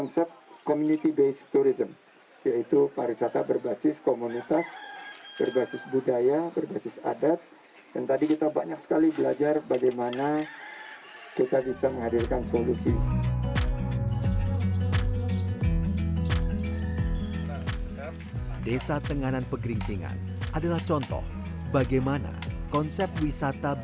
sampai jumpa di video selanjutnya